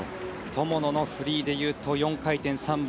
友野のフリーで言うと４回転、３本。